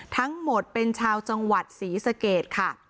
ทั้งหมดเป็นชาวจังหวัดศรีสเกตค่ะ